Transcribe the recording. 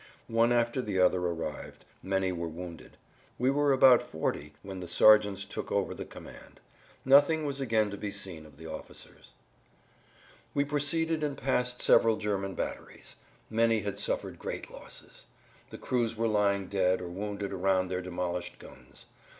One after the other arrived; many were wounded. We were about forty when the sergeants took over the command. Nothing was again to be seen of the officers. We proceeded and passed several German batteries. Many had suffered great losses. The crews were lying[Pg 87] dead or wounded around their demolished guns.